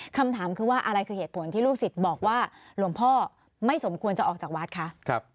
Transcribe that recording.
คำถามคือว่าอะไรคือเหตุผลที่ลูกศิษย์บอกว่าหลวงพ่อไม่สมควรจะออกจากวัดคะ